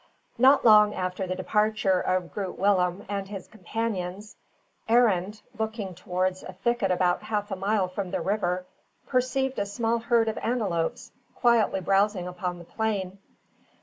Not long after the departure of Groot Willem and his companions, Arend, looking towards a thicket about half a mile from the river, perceived a small herd of antelopes quietly browsing upon the plain.